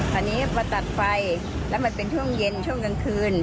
อันนี้มาตัดไฟแล้วมันเป็นช่วงเย็นช่วงกลางคืน